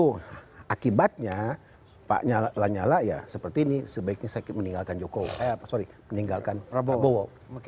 oh akibatnya pak lanyala ya seperti ini sebaiknya sorry meninggalkan prabowo